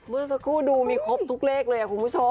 เมื่อสักครู่ดูมีครบทุกเลขเลยคุณผู้ชม